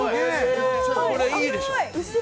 これいいでしょ。